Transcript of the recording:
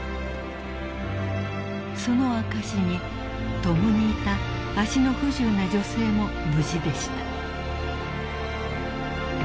［その証しに共にいた足の不自由な女性も無事でした］